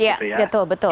iya betul betul